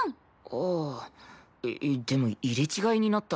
ああでも入れ違いになったら。